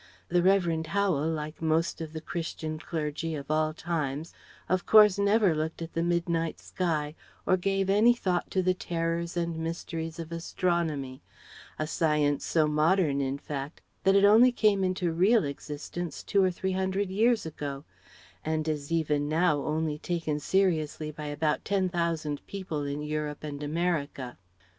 The Revd. Howel like most of the Christian clergy of all times of course never looked at the midnight sky or gave any thought to the terrors and mysteries of astronomy, a science so modern, in fact, that it only came into real existence two or three hundred years ago; and is even now only taken seriously by about ten thousand people in Europe and America.